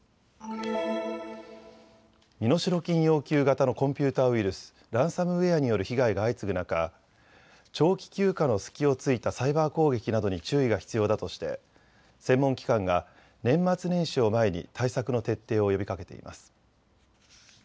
身代金要求型のコンピューターウイルス、ランサムウエアによる被害が相次ぐ中、長期休暇の隙を突いたサイバー攻撃などに注意が必要だとして専門機関が年末年始を前に対策の徹底を呼びかけています。